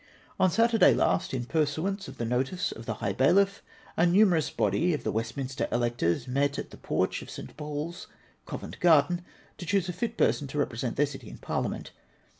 On Saturday last, in pursuance of the notice of the high bailiff, a numerous body of the Westminster electors met at the porch of St. Paul's, Covent Grarden, to choose a fit person to represent their city in Parliament.